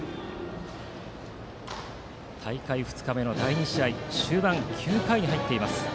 大会２日目の第２試合終盤の９回に入っています。